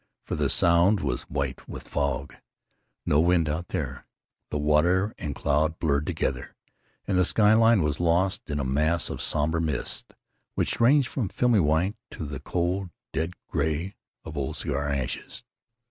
For the Sound was white with fog.... No wind out there!... Water and cloud blurred together, and the sky line was lost in a mass of somber mist, which ranged from filmy white to the cold dead gray of old cigar ashes.